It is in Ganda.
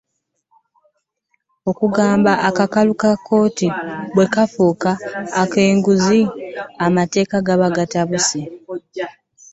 Okugaba akakalu ka kkooti bwe kufuuka okw'enguzi, amateeka gaba gatabuse